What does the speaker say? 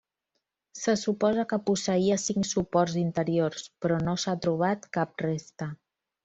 Se suposa que posseïa cinc suports interiors, però no s'ha trobat cap resta.